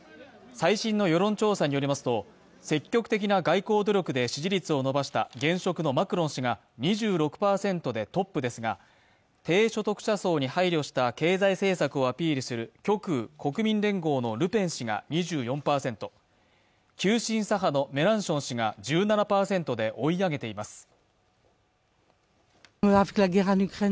最新の世論調査によりますと、積極的な外交努力で支持率を伸ばした現職のマクロン氏が２６％でトップですが、低所得者層に配慮した経済政策をアピールする極右・国民連合のルペン氏が２４％、急進左派のメランション氏が１７％で追い上げています。